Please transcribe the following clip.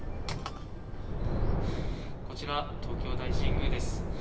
こちら、東京大神宮です。